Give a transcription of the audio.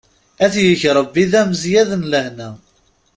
Ad t-yeg Rebbi d amezyad n lehna!